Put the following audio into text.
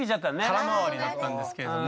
空回りだったんですけれども。